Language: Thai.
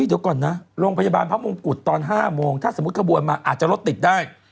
เดี๋ยวก่อนนะโรงพยาบาลพระมงกุฎตอน๕โมงถ้าสมมุติขบวนมาอาจจะรถติดได้